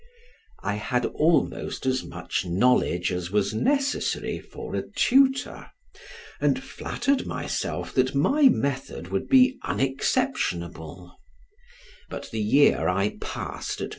I had almost as much knowledge as was necessary for a tutor, and flattered myself that my method would be unexceptionable; but the year I passed at M.